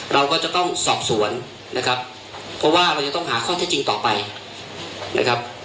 เราก็จะต้องสอบสวนนะครับเพราะว่าเราจะต้องหาข้อเท็จจริงต่อไปนะครับ